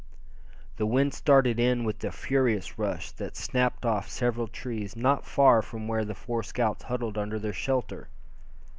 The wind started in with a furious rush that snapped off several trees not far away from where the four scouts huddled under their shelter.